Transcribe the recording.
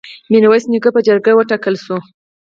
میرویس نیکه په جرګه وټاکل شو.